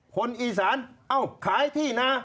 คนอีสานเอ้าขายที่นะ